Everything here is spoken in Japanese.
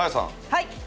はい。